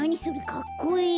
かっこいい。